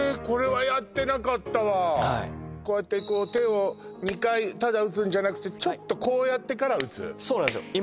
これはやってなかったわこうやってこう手を２回ただ打つんじゃなくてちょっとこうやってから打つそうなんですよ